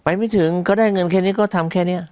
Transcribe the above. ไม่ถึงก็ได้เงินแค่นี้ก็ทำแค่นี้